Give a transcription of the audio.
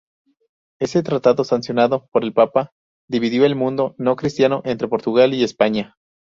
Ese tratado, sancionado por el Papa, dividió el mundo no-cristiano entre Portugal y España.